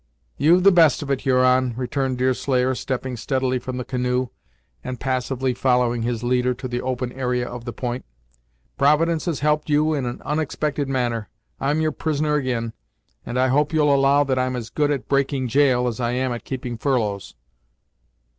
"You've the best of it, Huron," returned Deerslayer, stepping steadily from the canoe, and passively following his leader to the open area of the point; "Providence has helped you in an onexpected manner. I'm your prisoner ag'in, and I hope you'll allow that I'm as good at breaking gaol, as I am at keeping furloughs."